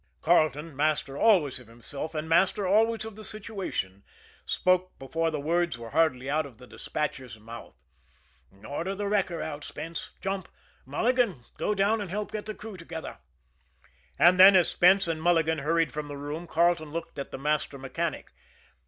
Carleton, master always of himself, and master always of the situation, spoke before the words were hardly out of the despatcher's mouth: "Order the wrecker out, Spence jump! Mulligan, go down and help get the crew together." And then, as Spence and Mulligan hurried from the room, Carleton looked at the master mechanic.